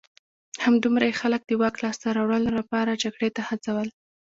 همدومره یې خلک د واک لاسته راوړلو لپاره جګړې ته هڅول